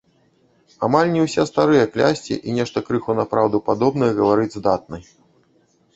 Амаль не ўсе старыя клясці і нешта крыху на праўду падобнае гаварыць здатны.